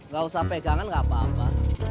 gak usah pegangan nggak apa apa